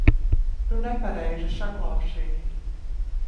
Tu nepareizi saklausīji.